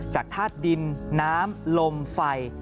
ธาตุดินน้ำลมไฟ